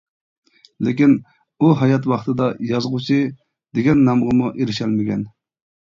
لېكىن، ئۇ ھايات ۋاقتىدا ‹ ‹يازغۇچى› › دېگەن نامغىمۇ ئېرىشەلمىگەن.